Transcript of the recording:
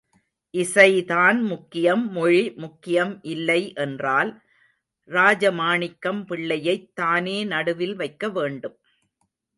இசைதான் முக்கியம் மொழி முக்கியம் இல்லை என்றால் ராஜமாணிக்கம் பிள்ளையைத் தானே நடுவில் வைக்க வேண்டும்.